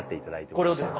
これをですか？